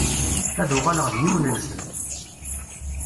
Ad uɣaleɣ d yiwen-nnsen.